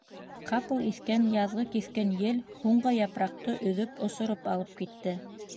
Ҡапыл иҫкән яҙғы киҫкен ел һуңғы япраҡты өҙөп осороп алып китте.